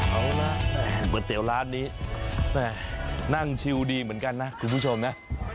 เอาล่ะก๋วยเตี๋ยวร้านนี้แม่นั่งชิวดีเหมือนกันนะคุณผู้ชมนะ